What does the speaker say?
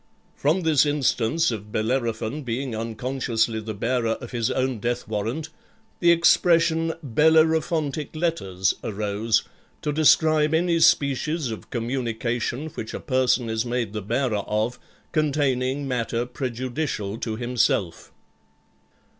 From this instance of Bellerophon being unconsciously the bearer of his own death warrant, the expression "Bellerophontic letters" arose, to describe any species of communication which a person is made the bearer of, containing matter prejudicial to himself.